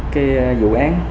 cái vụ án